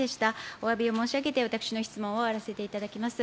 おわびを申し上げて私の質問を終わらせていただきます。